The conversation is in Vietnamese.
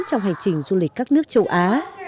trong hành trình du lịch các nước châu á